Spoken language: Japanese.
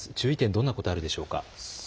どんなところがあるでしょうか。